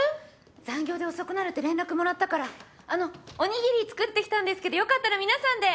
残業で遅くなるって連絡もらったからおにぎり作ってきたんですけどよかったら皆さんで！